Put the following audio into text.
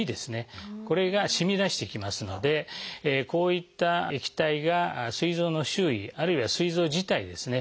これがしみ出してきますのでこういった液体がすい臓の周囲あるいはすい臓自体ですね